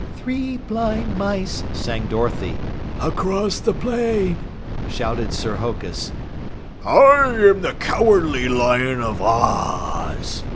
"Three blind mice !" sang Dorothy. "Across the plain!" shouted Sir Hokus. "I am the Cowardly Lion of Oz!"